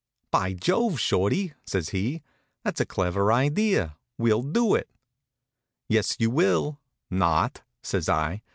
"By Jove, Shorty!" says he, "that's a clever idea. We'll do it." "Yes, you will not," says I.